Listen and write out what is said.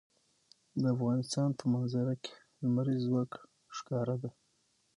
د افغانستان په منظره کې لمریز ځواک ښکاره ده.